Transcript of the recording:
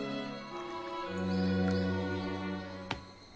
うん。